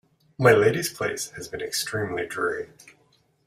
My Lady's place has been extremely dreary.